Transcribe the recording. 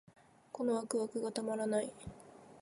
このワクワクがたまらない